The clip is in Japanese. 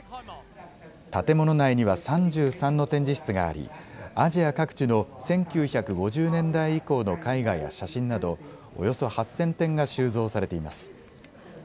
建物内には３３の展示室がありアジア各地の１９５０年代以降の絵画や写真など、およそ８０００点が収蔵されています。